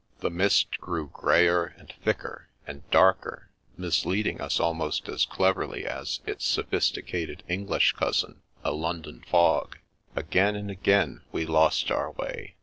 The mist grew greyer, and thicker, and darker, mis leading us almost as cleverly as its sophisticated English cousin, a London fog. Again and again we lost our way.